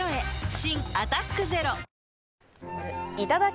新「アタックＺＥＲＯ」いただき！